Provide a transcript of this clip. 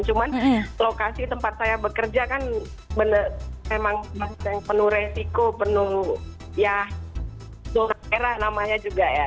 cuman lokasi tempat saya bekerja kan memang penuh resiko penuh ya zona merah namanya juga ya